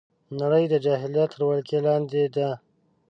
نړۍ د جاهلیت تر ولکې لاندې ده